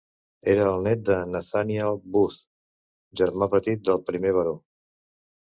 Era el net de Nathaniel Booth, germà petit del primer baró.